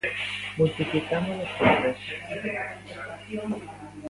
Multiplicámolos por tres.